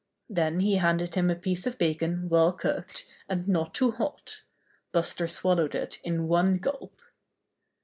Then he handed him a piece of bacon well cooked, and not too hot Buster swallowed it in one gulp.